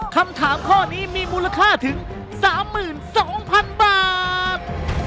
คำถามข้อนี้มีมูลค่าถึง๓๒๐๐๐บาท